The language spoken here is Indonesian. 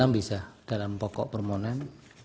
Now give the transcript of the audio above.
tiga puluh enam bisa dalam pokok permohonan